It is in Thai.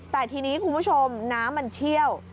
แต่ทีนี้คุณผู้ชมน้ำมันเชี่ยว